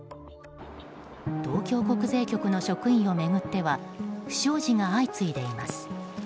東京国税局の職員を巡っては不祥事が相次いでいます。